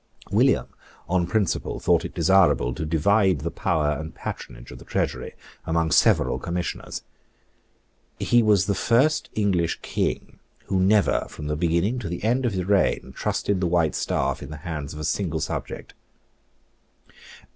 William, on principle, thought it desirable to divide the power and patronage of the Treasury among several Commissioners. He was the first English King who never, from the beginning to the end of his reign, trusted the white staff in the hands of a single subject.